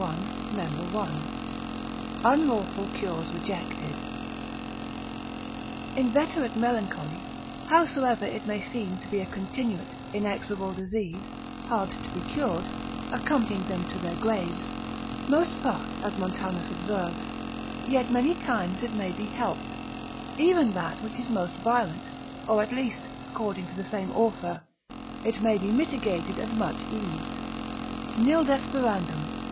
Unlawful Cures rejected. Inveterate Melancholy, howsoever it may seem to be a continuate, inexorable disease, hard to be cured, accompanying them to their graves, most part, as Montanus observes, yet many times it may be helped, even that which is most violent, or at least, according to the same author, it may be mitigated and much eased. Nil desperandum.